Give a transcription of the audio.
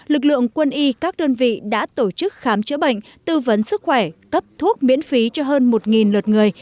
lực lượng quân y các đơn vị đã tổ chức khám chữa bệnh tư vấn sức khỏe cấp thuốc miễn phí cho hơn một lượt người